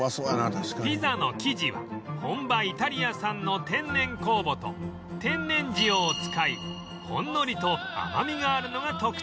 ピザの生地は本場イタリア産の天然酵母と天然塩を使いほんのりと甘みがあるのが特徴